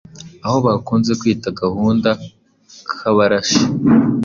aho bakunze kwita Gahunga k’Abarashi.